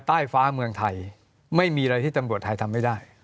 ใต้ฟ้าเมืองไทยไม่มีอะไรที่ตำรวจไทยทำไม่ได้